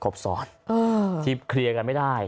สอนที่เคลียร์กันไม่ได้